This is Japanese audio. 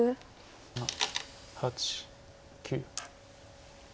７８９。